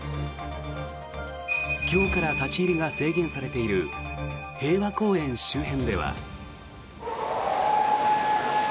今日から立ち入りが制限されている平和公園周辺では。